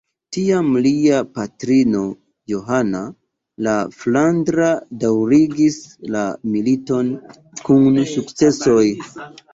Tiam lia patrino Johana la Flandra daŭrigis la militon, kun sukcesoj.